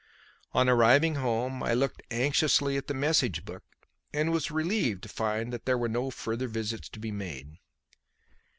On arriving home, I looked anxiously at the message book, and was relieved to find that there were no further visits to be made.